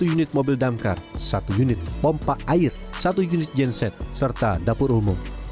satu unit mobil damkar satu unit pompa air satu unit genset serta dapur umum